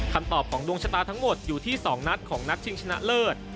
คำตอบของดวงชะตาทั้งหมดอยู่ที่๒นัดของนักชิงชนะเลิศ